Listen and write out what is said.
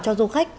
cho du khách